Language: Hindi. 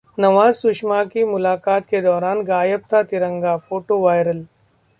नवाज-सुषमा की मुलाकात के दौरान गायब था तिरंगा, फोटो वायरल